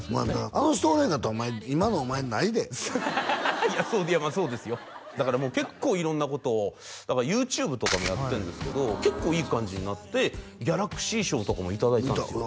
あの人おれへんかったら今のお前ないでいやまあそうですよだから結構色んなことをＹｏｕＴｕｂｅとかもやってるんですけど結構いい感じになってギャラクシー賞とかもいただいたんですよ